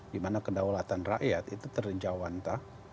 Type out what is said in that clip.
dimana kedaulatan rakyat itu terjawanta